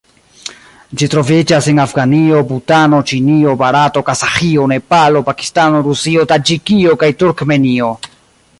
Ĝi troviĝas en Afganio, Butano, Ĉinio, Barato, Kazaĥio, Nepalo, Pakistano, Rusio, Taĝikio kaj Turkmenio.